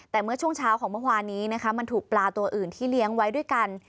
แต่เมื่อช่วงเช้าของเมื่อวานนี้นะคะมันถูกปลาตัวอื่นที่เลี้ยงไว้ด้วยกัน